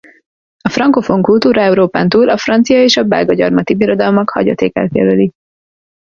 A frankofón kultúra Európán túl a francia és a belga gyarmati birodalmak hagyatékát jelöli.